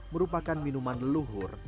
merupakan minuman leluhur